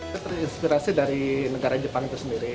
saya terinspirasi dari negara jepang itu sendiri